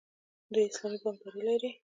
دوی اسلامي بانکداري لري.